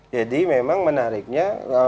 jadi memang menariknya